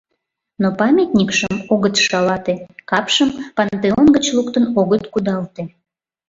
Но памятникшым огыт шалате, капшым пантеон гыч луктын огыт кудалте.